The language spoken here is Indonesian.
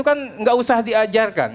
kan nggak usah diajarkan